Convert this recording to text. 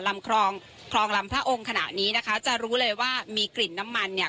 คลองคลองลำพระองค์ขณะนี้นะคะจะรู้เลยว่ามีกลิ่นน้ำมันเนี่ย